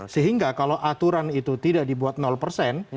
sehingga kalau aturan itu tidak dibuat persen